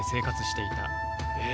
え！？